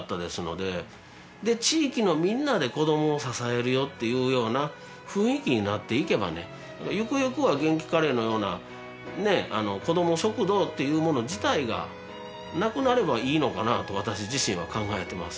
で地域のみんなで子どもを支えるよっていうような雰囲気になっていけばねゆくゆくはげんきカレーのような子ども食堂っていうもの自体がなくなればいいのかなと私自身は考えてます。